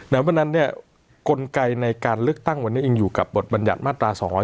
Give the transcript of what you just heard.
เพราะฉะนั้นกลไกในการเลือกตั้งวันนี้ยังอยู่กับบทบัญญัติมาตรา๒๗